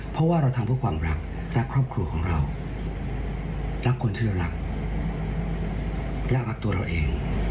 เพราะว่าเราทำเพื่อความรักรักครอบครัวของเรารักคนที่เรารักรักตัวเราเอง